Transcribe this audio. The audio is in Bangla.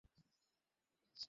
আমি কিছু লেখালেখি করছি।